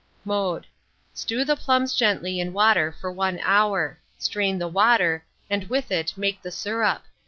Mode. Stew the plums gently in water for 1 hour; strain the water, and with it make the syrup.